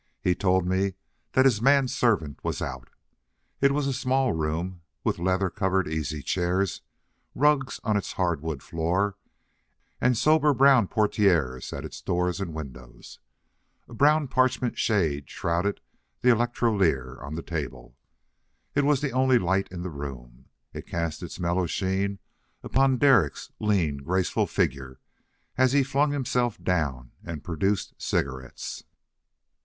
He told me that his man servant was out. It was a small room, with leather covered easy chairs, rugs on its hardwood floor, and sober brown portieres at its door and windows. A brown parchment shade shrouded the electrolier on the table. It was the only light in the room. It cast its mellow sheen upon Derek's lean graceful figure as he flung himself down and produced cigarettes.